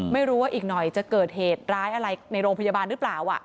ไม่รู้ว่าอีกหน่อยจะเกิดเหตุร้ายอะไรในโรงพยาบาลหรือเปล่า